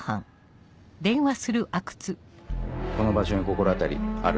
この場所に心当たりある？